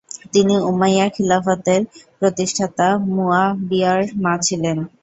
তিনি উমাইয়া খিলাফতের প্রতিষ্ঠাতা মুয়াবিয়ার মা ছিলেন।